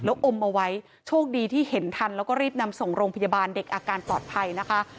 แล้วอมเอาไว้โชคดีที่เห็นทันแล้วก็รีบนำส่งโรงพยาบาลเด็กอาการปลอดภัยนะคะ